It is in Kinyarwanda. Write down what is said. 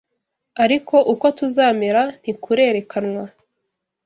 ariko uko tuzamera ntikurerekanwa.